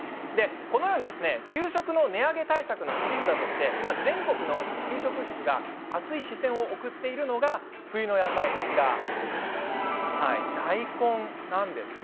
このように給食の値上げ対策の切り札として今、全国の給食室が熱い視線を送っているのが冬の野菜、大根なんです。